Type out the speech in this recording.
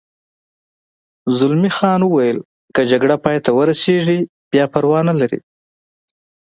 زلمی خان وویل: که جګړه پای ته ورسېږي بیا پروا نه لري.